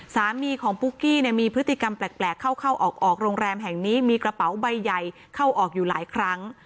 สามีของปุ๊กกี้เนี่ยมีพฤติกรรมแปลกเข้าออกโรงแรมแห่งนี้มีกระเป๋าใบใหญ่เข้าออกอยู่หลายครั้ง